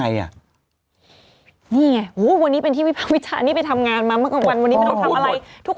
แล้วยังไง